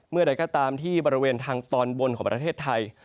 ใดก็ตามที่บริเวณทางตอนบนของประเทศไทย